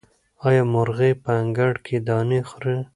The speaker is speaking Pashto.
آیا مرغۍ په انګړ کې دانې خوري؟